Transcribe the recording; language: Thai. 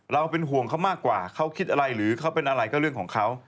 เราเป็นห่วงเขามากกว่าเขาคิดอะไรหรือเขาเป็นอะไรก็เรื่องของเขา